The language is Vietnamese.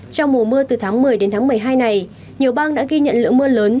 trong mùa mưa từ tháng một mươi đến tháng một mươi hai này nhiều bang đã ghi nhận lượng mưa lớn